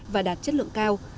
và đạt chất lượng cao